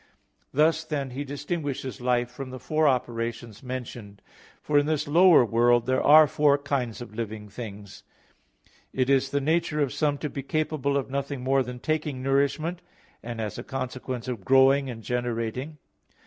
Thus, then, he distinguishes life by the four operations mentioned. For in this lower world there are four kinds of living things. It is the nature of some to be capable of nothing more than taking nourishment, and, as a consequence, of growing and generating.